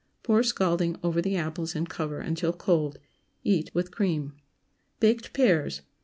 Pour scalding over the apples, and cover until cold. Eat with cream. BAKED PEARS.